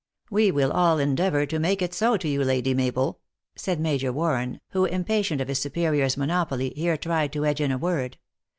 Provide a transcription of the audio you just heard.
" We will all endeavor to make it so to you, Lady Mabel," said Major Warren, who, impatient of his superior s monopoly, here tried to edge in a word.